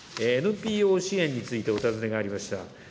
ＮＰＯ支援についてお尋ねがありました。